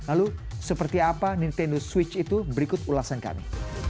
lalu seperti apa nintendo switch itu berikut ulasan kami